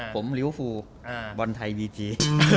ผมลิวฟูบอลไทยวีจี